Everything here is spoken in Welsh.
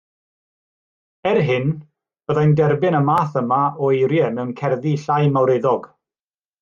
Er hyn byddai'n derbyn y math yma o eiriau mewn cerddi llai mawreddog